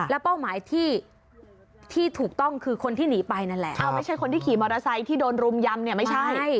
แล้วเป้าหมายที่ถูกต้องคือคนที่หนีไปนั่นแหละไม่ใช่คนที่ขี่มอเตอร์ไซค์ที่โดนรุมยำเนี่ยไม่ใช่